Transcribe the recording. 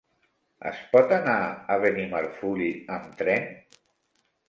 Es pot anar a Benimarfull amb tren?